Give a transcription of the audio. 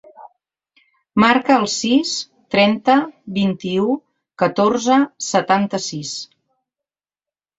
Marca el sis, trenta, vint-i-u, catorze, setanta-sis.